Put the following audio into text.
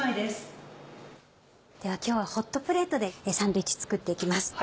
では今日はホットプレートでサンドイッチ作って行きます。